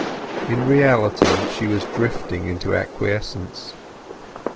In reality, she was drifting into acquiescence.